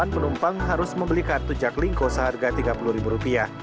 penumpang harus membeli kartu jaklingko seharga rp tiga puluh